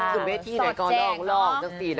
ขึ้นเวทีหน่อยก็ร้อง